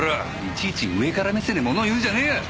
いちいち上から目線でもの言うんじゃねえよ。